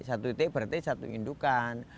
satu titik berarti satu indukan